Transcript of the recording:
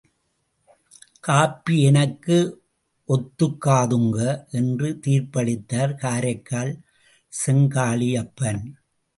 Copy எனக்கு ஒத்துக்காதுங்க! என்று தீர்ப்பளித்தார் காரைக்கால் செங்காளியப்பன்.